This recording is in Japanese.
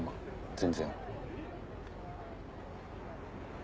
全然。